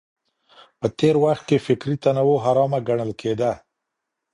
په تېر وخت کي فکري تنوع حرامه ګڼل کېده.